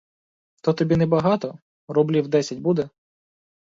То тобі небагато, рублів десять буде?